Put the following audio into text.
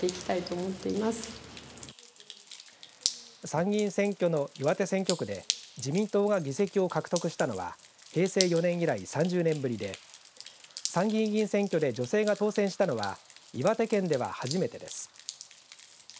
参議院選挙の岩手選挙区で自民党が議席を獲得したのは平成４年以来、３０年ぶりで参議院議員選挙で女性が当選したのは岩手県では初めてです。